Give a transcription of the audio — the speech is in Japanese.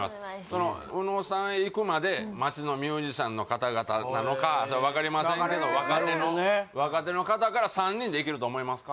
その宇野さんへいくまで街のミュージシャンの方々なのかそれは分かりませんけどなるほどね若手の方から３人でいけると思いますか？